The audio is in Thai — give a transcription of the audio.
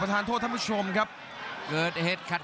กรรมการเตือนทั้งคู่ครับ๖๖กิโลกรัม